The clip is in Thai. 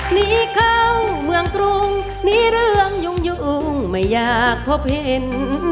หนีเข้าเมืองกรุงมีเรื่องยุ่งไม่อยากพบเห็น